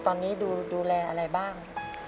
ตอนนี้ดูแลอะไรบ้าง